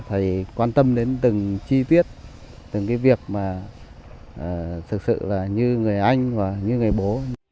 thầy quan tâm đến từng chi tiết từng cái việc mà thực sự là như người anh và những người bố